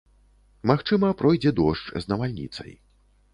Магчыма, пройдзе дождж з навальніцай.